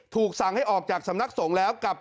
ถูกสั่งให้ออกจากสำนักสงฆ์แล้วกับ